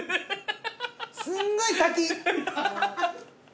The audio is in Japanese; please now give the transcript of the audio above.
すんごい先。